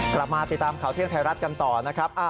กลับมาติดตามข่าวเที่ยงไทยรัฐกันต่อนะครับ